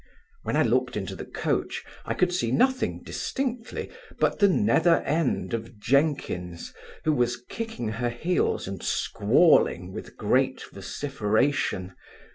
When I looked into the coach, I could see nothing distinctly, but the nether end of Jenkins, who was kicking her heels and squalling with great vociferation.